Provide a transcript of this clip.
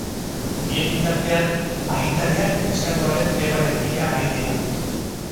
Bien bitartean, agintariak neskatoaren nebaren bila ari dira.